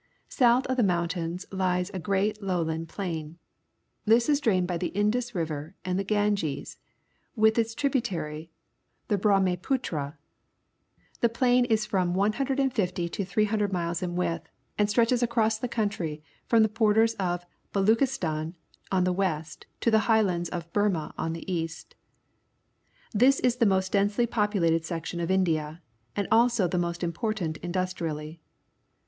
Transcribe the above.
South of the mountains lies a great lowland plain. This is drained bj' the Indus River and the GariQeSj with its tributary, the Brahmaputra. The plain is from 150 to .300 miles m width and stretches across the country from the borders of Baluch istan on the west to the highlands of Burma on the east. This is the most densely populated section of India and also the most important industrially.